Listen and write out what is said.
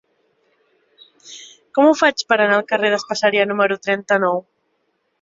Com ho faig per anar al carrer d'Espaseria número trenta-nou?